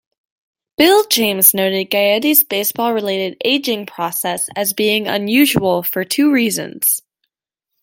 Bill James noted Gaetti's baseball-related aging process as being unusual for two reasons.